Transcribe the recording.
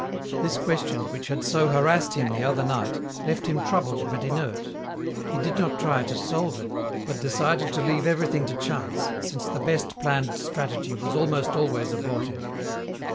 This question, which had so harassed him the other night, left him troubled but inert. He did not try to solve it, but decided to leave everything to chance, since the best planned strategy was almost always abortive.